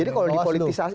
jadi kalau dipolitisasi